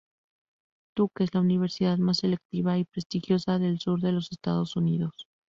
Duke es la universidad más selectiva y prestigiosa del sur de los Estados Unidos.